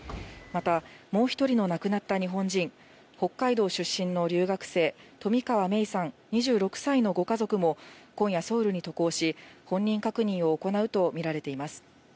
またもう１人の亡くなった日本人、北海道出身の留学生、冨川芽生さん２６歳のご家族も、今夜、ソウルに渡航し、本人確認を行うと見られています。